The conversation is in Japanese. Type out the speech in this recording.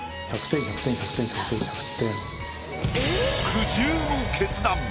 苦渋の決断！